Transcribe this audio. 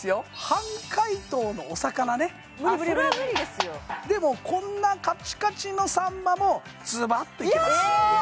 半解凍のお魚ねそれは無理ですよでもこんなカチカチのサンマもズバッといけますや！？